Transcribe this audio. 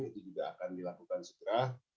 itu juga akan dilakukan segera